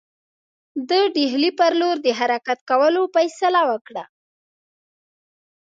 ده د ډهلي پر لور د حرکت کولو فیصله وکړه.